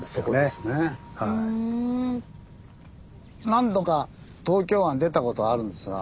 何度か東京湾出たことあるんですが。